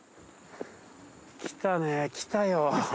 来たね来たよ。